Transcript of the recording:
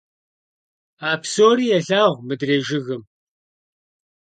А псори елъагъу мыдрей жыгым.